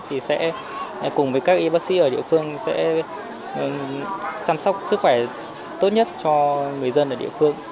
thì sẽ cùng với các y bác sĩ ở địa phương sẽ chăm sóc sức khỏe tốt nhất cho người dân ở địa phương